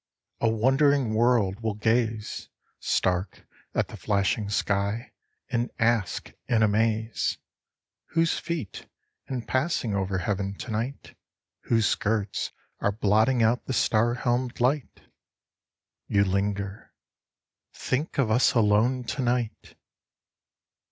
. a wondering world will Stark, at the flashing sky, and ask in amaze " Whose feet, in passing over heaven to night, Whose skirts, are blotting out the star helmed light ?" You linger ... think of us alone to night